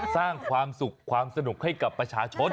สร้างความสุขความสนุกให้กับประชาชน